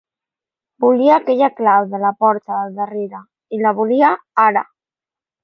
Volia aquella clau de la porta del darrere, i la volia ara.